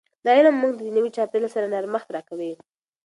دا علم موږ ته د نوي چاپیریال سره نرمښت راکوي.